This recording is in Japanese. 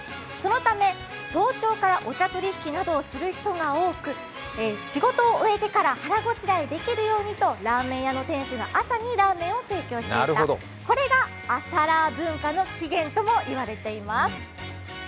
そのため、早朝からお茶取引などをする人が多く仕事を終えてから腹ごしらえできるようにとラーメン屋の店主が朝にラーメンを提供していた、これが朝ラー文化の起源とも言われています。